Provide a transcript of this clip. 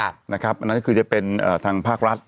อันนั้นก็คือจะเป็นทางภาครัฐ